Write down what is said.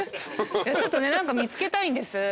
ちょっとね何か見つけたいんです。